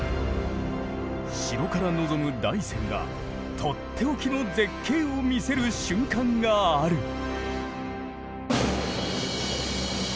城から望む大山がとっておきの絶景を見せる瞬間がある。